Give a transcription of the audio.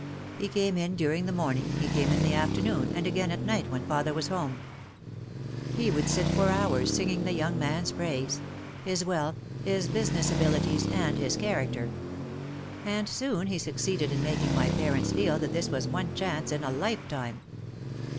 He came in during the morning, he came in the afternoon and again at night when father was home. He would sit for hours singing the young man's praise, — his wealth, his business abilities and his char acter. And soon he succeeded in making my parents feel that this was one chance in a lifetime.